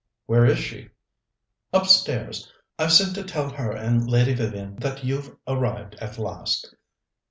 "Where is she?" "Upstairs. I've sent to tell her and Lady Vivian that you've arrived at last."